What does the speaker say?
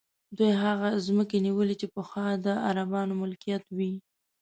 دوی هغه ځمکې نیولي چې پخوا د عربانو ملکیت وې.